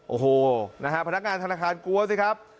โอ้โฮพนักการธนาคารกลัวสิครับ